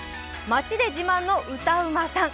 町で自慢の歌うまさん。